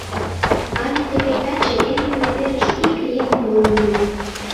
— Але теве таче эмлыме верыш ик еҥ толын ыле.